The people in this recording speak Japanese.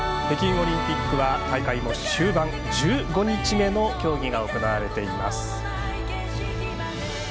北京オリンピックは大会の終盤１５日目の競技が行われています。